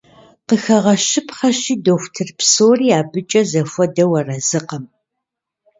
Къыхэгъэщыпхъэщи, дохутыр псори абыкӀэ зэхуэдэу арэзыкъым.